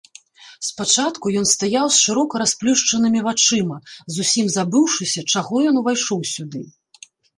Спачатку ён стаяў з шырока расплюшчанымі вачыма, зусім забыўшыся, чаго ён увайшоў сюды.